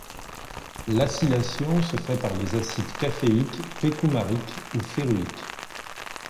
L'acylation se fait par les acides caféique, p-coumarique ou férulique.